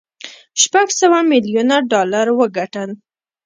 شپږ سوه ميليونه ډالر وګټل.